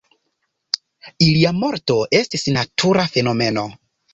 Ilia morto estis natura fenomeno.